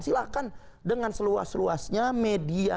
silahkan dengan seluas luasnya media